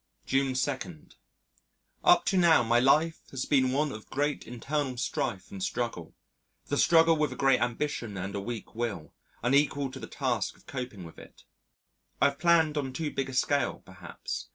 June 2. Up to now my life has been one of great internal strife and struggle the struggle with a great ambition and a weak will unequal to the task of coping with it. I have planned on too big a scale, perhaps.